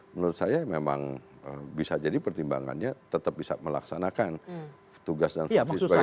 menurut saya memang bisa jadi pertimbangannya tetap bisa melaksanakan tugas dan fungsi sebagai